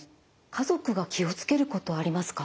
家族が気を付けることありますか？